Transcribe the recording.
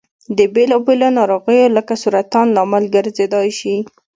د بېلا بېلو نارغیو لکه سرطان لامل ګرځيدای شي.